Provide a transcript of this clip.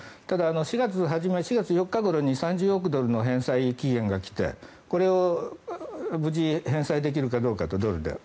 ただ、４月初め４月４日ごろに３０億ドルの返済期限が来てこれを無事、ドルで返済できるかどうかと。